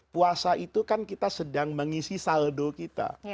puasa itu kan kita sedang mengisi saldo kita